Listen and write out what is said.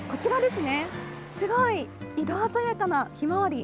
すごい！色鮮やかなひまわり